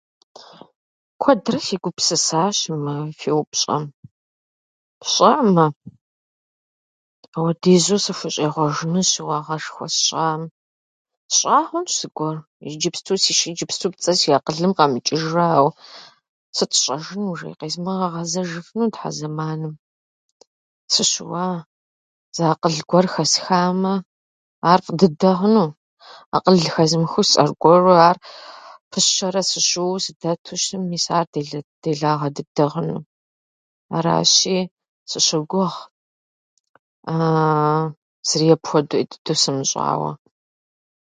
Куэдрэ сегупсысащ мы фи упщӏэм. Сщӏэӏымэ ауэдизу сыхущӏегъуэжыну щыуагъэшхуэ сщӏауэ. Сщӏа хъунщ зыгуэр, иджыпсту сщы- иджыпступцӏэ иджы си акъылым къэмыкӏыжу ара, ауэ сыт сщӏэжын уже? Къезмыгъэгъэзэжыфыну, Тхьэ, зэманым. Сыщыуа, зы акъыл гуэр хэсхамэ, ар фӏы дыдэ хъуну. Акъыл хэзмыху с- аргуэру ар пысщэрэ сыщыуэу сыдэту щытмэ, мис ар делэ дыд- делагъэ дыдэ хъуну. Аращи, сыщогугъ зыри апхуэдэу ӏей дыдэу сымыщӏауэ.